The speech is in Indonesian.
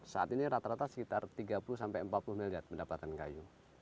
saat ini rata rata sekitar tiga puluh sampai empat puluh miliar pendapatan kayu